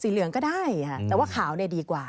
สีเหลืองก็ได้แต่ว่าขาวดีกว่า